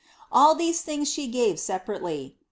All these things she gave separately.